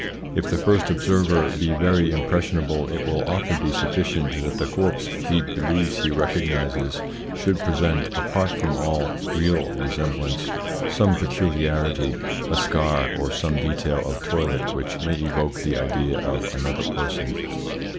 If the first observer be very impressionable, it will often be sufficient that the corpse he believes he recognises should present apart from all real resemblance some peculiarity, a scar, or some detail of toilet which may evoke the idea of another person.